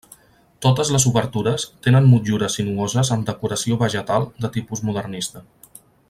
Totes les obertures tenen motllures sinuoses amb decoració vegetal de tipus modernista.